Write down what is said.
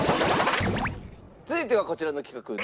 続いてはこちらの企画。